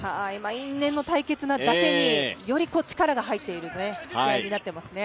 因縁の対決なだけにより力が入っている試合になってますね。